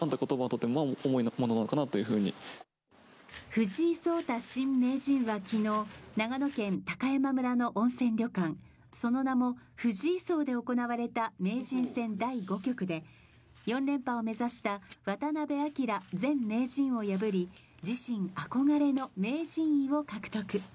藤井聡太新名人は昨日長野県高山村の温泉旅館、その名も藤井荘で行われた名人戦第５局で４連覇を目指した渡辺明前名人を破り、自身憧れの名人位を獲得。